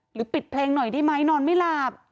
ปิดเพลงหน่อยได้ไหมนอนไม่หลับ